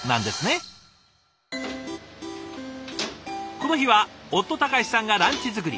この日は夫隆志さんがランチ作り。